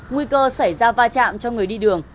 nguy cơ xảy ra va chạm cho người đi đường